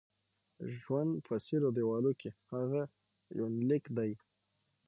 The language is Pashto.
ژوند په څيرو دېوالو کې: هغه یونلیک دی